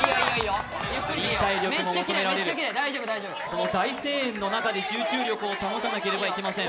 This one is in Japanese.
この大声援の中で集中力を保たなければなりません。